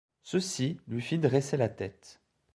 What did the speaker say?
Ceci lui fit dresser la tête.